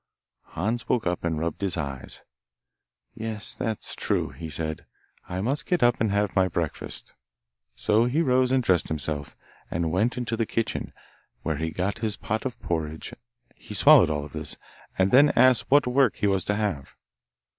Hans woke up and rubbed his eyes. 'Yes, that's true,' he said, 'I must get up and have my breakfast.' So he rose and dressed himself, and went into the kitchen, where he got his pot of porridge; he swallowed all of this, and then asked what work he was to have.